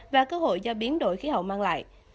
và cơ hội do biến đổi khí hậu mang lại